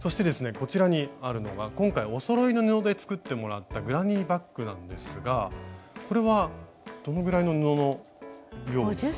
こちらにあるのが今回おそろいの布で作ってもらったグラニーバッグなんですがこれはどのぐらいの布の量ですか？